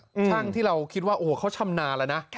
ช่างที่เราคิดว่าโอ้โหเขาชำนาญแล้วนะ